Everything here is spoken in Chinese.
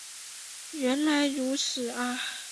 原来如此啊